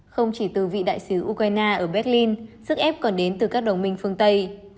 không chỉ từ vị đại sứ ukraine ở berlin sức ép còn đến từ các đồng minh phương tây